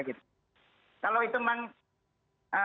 kalau itu memang